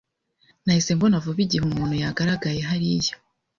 Nahise mbona vuba igihe umuntu yagaragaye hariya